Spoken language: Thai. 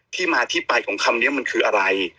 ที่มาที่ไปของคำนี้มันคืออะไร